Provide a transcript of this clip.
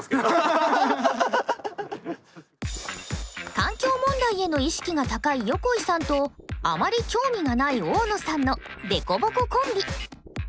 環境問題への意識が高い横井さんとあまり興味がない大野さんの凸凹コンビ。